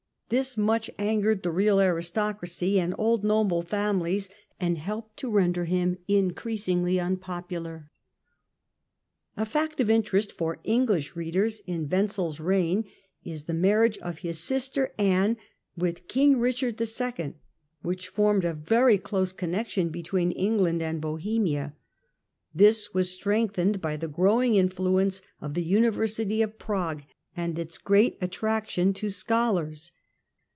This much angered the real aristocracy and old noble families and helped to render him increasingly unpopular. A fact of interest for English readers in Wenzel's reign Relation of is the marriage of his sister Anne with King Richard ^ith Eng II., which formed a very close connection between Eng ^^"'^ land and Bohemia ; this was strengthened by the growing influence of the University of Prague and its great at traction to scholars.